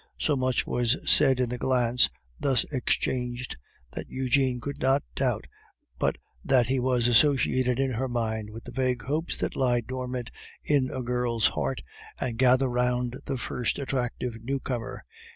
So much was said in the glance, thus exchanged, that Eugene could not doubt but that he was associated in her mind with the vague hopes that lie dormant in a girl's heart and gather round the first attractive newcomer.